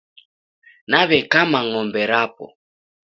Naw'ekama ng'ombe rapo.